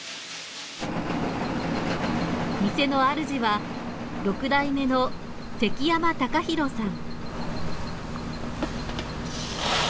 店のあるじは６代目の関山隆大さん。